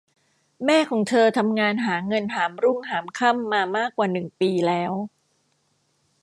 แม่ของเธอทำงานหาเงินหามรุ่งหามค่ำมามากกว่าหนึ่งปีแล้ว